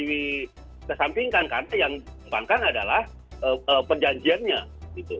itu agak di kesampingkan karena yang panggang adalah perjanjiannya gitu